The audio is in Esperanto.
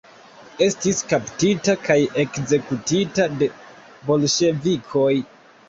Estis kaptita kaj ekzekutita de bolŝevikoj.